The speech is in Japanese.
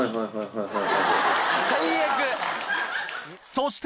そして！